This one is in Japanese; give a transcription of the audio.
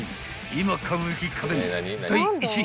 今買うべき家電第１位］